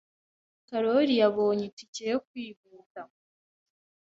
Karoli yabonye itike yo kwihuta.